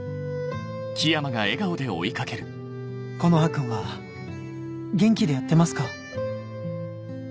木の葉君は元気でやってますか？